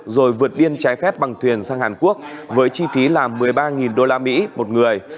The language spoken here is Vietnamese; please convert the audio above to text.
rồi vượt biên trái phép bằng thuyền sang hàn quốc với chi phí là một mươi ba usd một người